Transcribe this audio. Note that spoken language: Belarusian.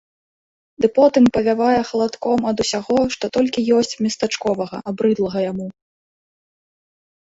Ды потым павявае халадком ад усяго, што толькі ёсць местачковага, абрыдлага яму.